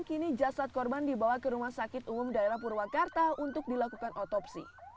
kini jasad korban dibawa ke rumah sakit umum daerah purwakarta untuk dilakukan otopsi